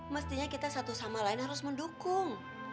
mestinya kita satu sama lain harus mendukung